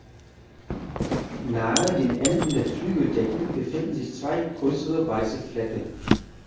Nahe den Enden der Flügeldecken befinden sich zwei größere weiße Flecke.